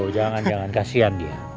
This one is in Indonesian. jangan jangan kasihan dia